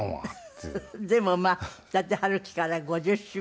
でもまあ「伊達春樹」から５０周年。